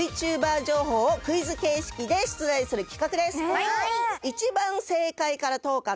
情報をクイズ形式で出題する企画です。